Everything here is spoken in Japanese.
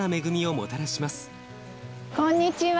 こんにちは。